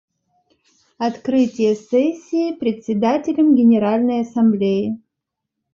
Открытие сессии Председателем Генеральной Ассамблеи.